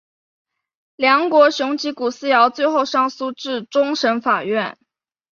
梁国雄及古思尧最后上诉至终审法院。